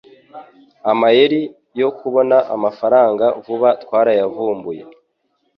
Amayeri yo kubona amafaranga vuba twarayavumbuye